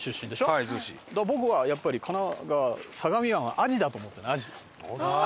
はい子僕はやっぱり神奈川相模湾はアジだと思ってるのアジアジ。